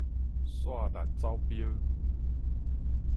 紲力走標